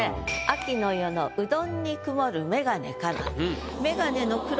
「秋の夜のうどんに曇る眼鏡かな」。